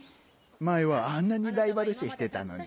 前はあんなにライバル視してたのに。